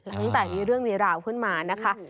ตั้งแต่มีเรื่องมีราวขึ้นมานะคะ